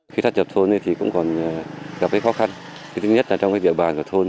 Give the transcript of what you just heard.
mặc dù vẫn còn một số khó khăn tuy nhiên việc sáp nhập các thôn bản tổ dân phố đã mang lại những